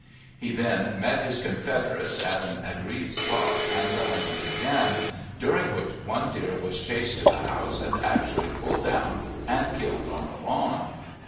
He then met his confederates at an agreed spot and the hunting began, during which one deer was chased to the house and actually pulled down and killed on the lawn.